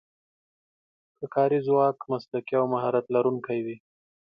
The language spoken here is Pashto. که کاري ځواک مسلکي او مهارت لرونکی وي.